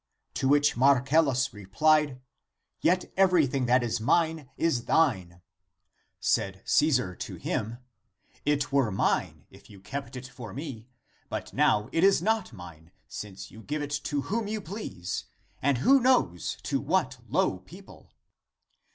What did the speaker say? To which Marcellus replied, ' Yet every thing that is mine is thine.' Said Caesar to him, * It were mine if you kept it for me ; but now, it is not mine, since you give it to whom you please, and who knows to what low people